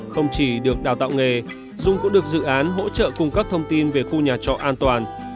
không chỉ được đào tạo nghề dung cũng được dự án hỗ trợ cung cấp thông tin về khu nhà trọ an toàn